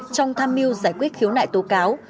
trong tham mưu giải quyết khiếu nại tố cáo